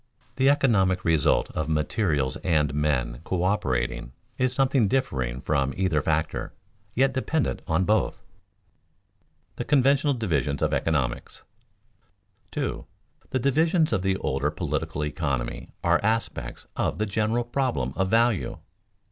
The economic result of materials and men coöperating is something differing from either factor, yet dependent on both. [Sidenote: The conventional divisions of economics] 2. _The divisions of the older political economy are aspects of the general problem of value.